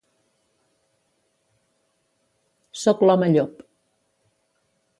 Soc l'home llop.